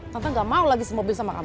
tante gak mau lagi mobil sama kamu